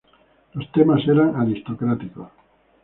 Los temas eran aristocráticos.